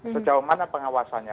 sejauh mana pengawasannya